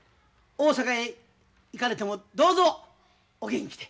大阪へ行かれてもどうぞお元気で。